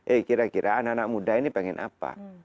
eh kira kira anak anak muda ini pengen apa